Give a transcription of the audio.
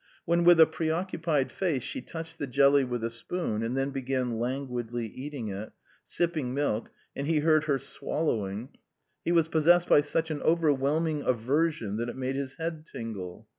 When with a preoccupied face she touched the jelly with a spoon and then began languidly eating it, sipping milk, and he heard her swallowing, he was possessed by such an overwhelming aversion that it made his head tingle.